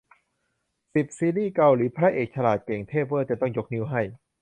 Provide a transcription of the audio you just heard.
สิบ ซีรีส์เกาหลีพระเอกฉลาด เก่งเทพเว่อร์ จนต้องยกนิ้วให้